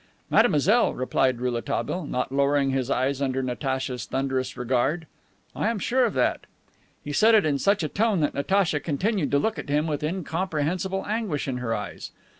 "Mademoiselle," replied Rouletabille, not lowering his eyes under Natacha's thunderous regard, "I am sure of that." He said it in such a tone that Natacha continued to look at him with incomprehensible anguish in her eyes.